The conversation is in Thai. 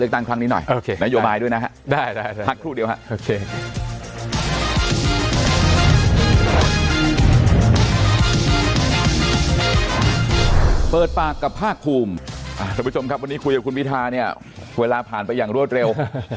คุณผู้ชมครับวันนี้คุยกับคุณพิทาเนี่ยเวลาผ่านไปอย่างรวดเร็ว